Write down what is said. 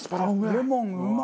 レモンうまっ！